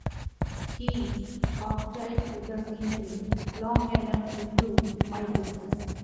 He's hogtied to the scenery long enough to do my business.